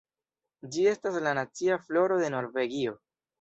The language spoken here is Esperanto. Ĝi estas la nacia floro de Norvegio.